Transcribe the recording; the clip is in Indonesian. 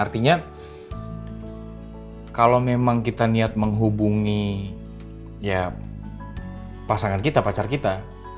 artinya kalau memang kita niat menghubungi ya pasangan kita pacar kita